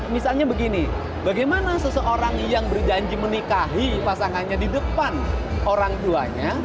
misalnya begini bagaimana seseorang yang berjanji menikahi pasangannya di depan orang tuanya